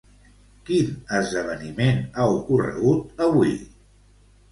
Quin esdeveniment ha ocorregut avui?